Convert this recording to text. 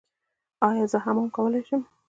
ایا زه حمام کولی شم؟